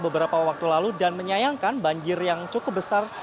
beberapa waktu lalu dan menyayangkan banjir yang cukup besar